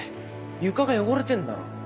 床が汚れてんだろ